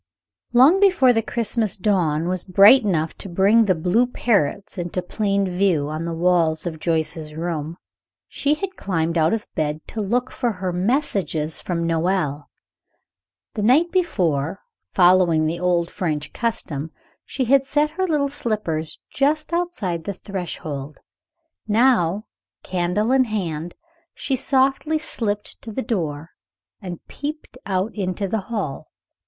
Long before the Christmas dawn was bright enough to bring the blue parrots into plain view on the walls of Joyce's room, she had climbed out of bed to look for her "messages from Noël." The night before, following the old French custom, she had set her little slippers just outside the threshold. Now, candle in hand, she softly slipped to the door and peeped out into the hall.